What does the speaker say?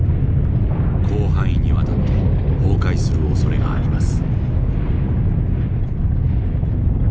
広範囲にわたって崩壊するおそれがあります。